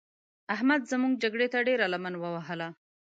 احمد موږ جګړې ته ډېره لمن ووهل.